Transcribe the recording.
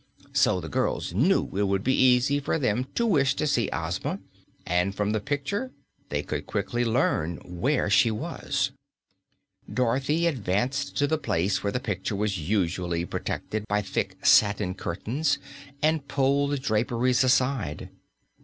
So the girls knew it would be easy for them to wish to see Ozma, and from the picture they could quickly learn where she was. Dorothy advanced to the place where the picture was usually protected by thick satin curtains and pulled the draperies aside.